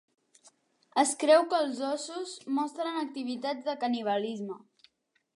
Es creu que els ossos mostren activitats de canibalisme.